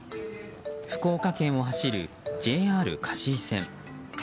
福岡県を走るＪＲ香椎線。